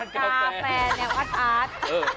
กาแฟแนวอัด